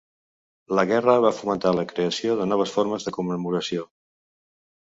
La guerra va fomentar la creació de noves formes de commemoració.